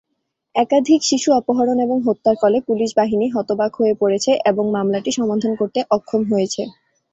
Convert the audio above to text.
একাধিক শিশু অপহরণ এবং হত্যার ফলে পুলিশ বাহিনী হতবাক হয়ে পড়েছে এবং মামলাটি সমাধান করতে অক্ষম হয়েছে।